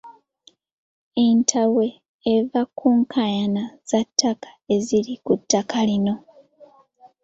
Entabwe eva ku nkaayana za ttaka eziri ku ttaka lino.